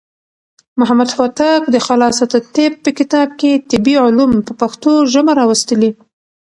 محمد هوتک د خلاصة الطب په کتاب کې طبي علوم په پښتو ژبه راوستلي.